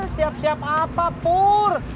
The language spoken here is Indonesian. siap siap apa pur